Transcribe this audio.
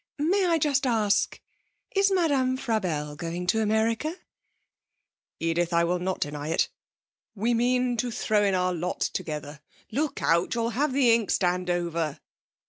May I just ask is Madame Frabelle going to America?' 'Edith, I will not deny it. We mean to throw in our lot together! Look out! You'll have the inkstand over!'